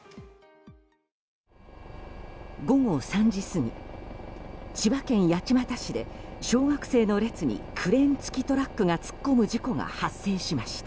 午後３時過ぎ千葉県八街市で小学生の列にクレーン付きトラックが突っ込む事故が発生しました。